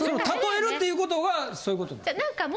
例えるっていうことはそういうことなん？